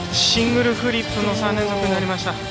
シングルフリップの３連続になりました。